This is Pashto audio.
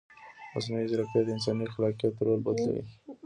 مصنوعي ځیرکتیا د انساني خلاقیت رول بدلوي.